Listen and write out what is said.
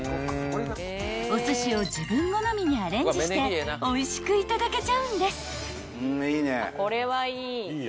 ［お寿司を自分好みにアレンジしておいしくいただけちゃうんです］